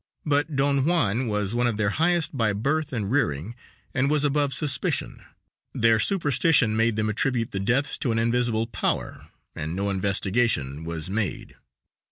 But Don Juan was one of their highest by birth and rearing and was above suspicion. Their superstition made them attribute the deaths to an invisible power, and no investigation was made.